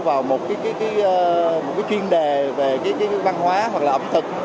vào một cái chuyên đề về văn hóa hoặc là ẩm thực